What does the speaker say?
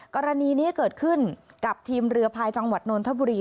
กรณีนี้เกิดขึ้นกับทีมเรือพายจังหวัดนนทบุรี